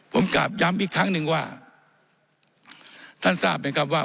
ผมกลับย้ำอีกครั้งหนึ่งว่าท่านทราบไหมครับว่า